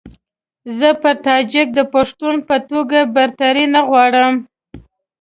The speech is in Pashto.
زه پر تاجک د پښتون په توګه برتري نه غواړم.